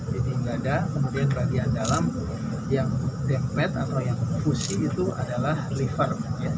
dinding dada kemudian bagian dalam yang med atau yang fusi itu adalah liver